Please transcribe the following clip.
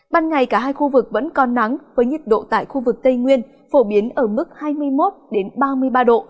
ban ngày cả hai khu vực vẫn còn nắng với nhiệt độ tại khu vực tây nguyên phổ biến ở mức hai mươi một ba mươi ba độ